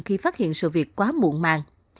khi phát hiện sự việc quá muộn màng